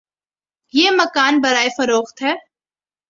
یہ مکان برائے فروخت ہے